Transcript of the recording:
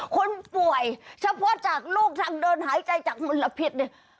คุณป่วยเฉพาะจากลูกทางเดินหายใจจากมลพิษเนี่ย